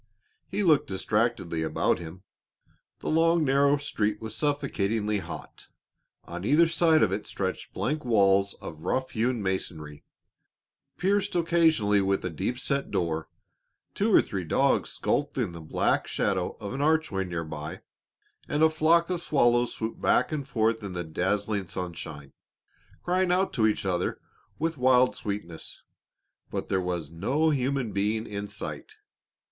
He looked distractedly about him. The long narrow street was suffocatingly hot, on either side of it stretched blank walls of rough hewn masonry, pierced occasionally with a deep set door; two or three dogs skulked in the black shadow of an archway near by, and a flock of swallows swooped back and forth in the dazzling sunshine, crying out to each other with wild sweetness, but there was no human being in sight.